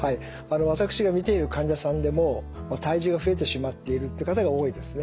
私が見ている患者さんでも体重が増えてしまっているって方が多いですね。